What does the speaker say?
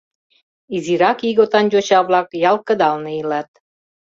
Изирак ийготан йоча-влак ял кыдалне илат.